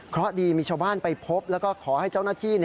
เพราะดีมีชาวบ้านไปพบแล้วก็ขอให้เจ้าหน้าที่